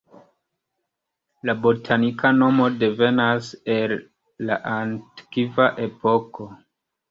La botanika nomo devenas el la antikva epoko.